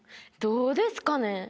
どうですかね？